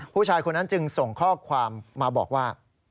ผู้ชายคนนั้นจึงส่งข้อความมาบอกว่า